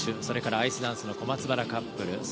それからアイスダンスの小松原カップル